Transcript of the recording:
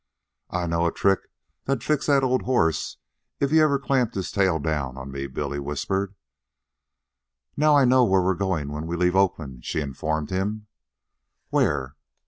"I know a trick that'd fix that old horse if he ever clamped his tail down on me," Billy whispered. "Now I know where we're going when we leave Oakland," she informed him. "Where?"